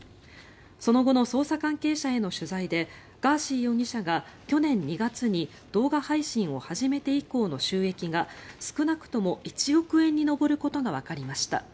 その後の捜査関係者への取材でガーシー容疑者が去年２月に動画配信を始めて以降の収益が少なくとも１億円に上ることがわかりました。